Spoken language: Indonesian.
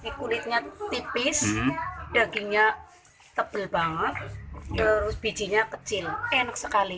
kulitnya tipis dagingnya tebal banget terus bijinya kecil enak sekali